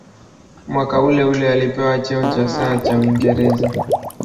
Mwaka uleule alipewa cheo cha "Sir" cha Uingereza.